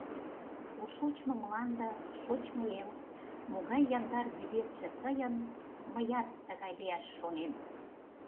О шочмо мланде, шочмо эл, Могай яндар вӱдетше тыйын, Мыят тыгай лияш шонем.